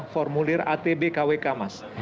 formulir atb kw kamas